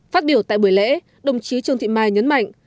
phát biểu tại buổi lễ đồng chí trương thị mai nhấn mạnh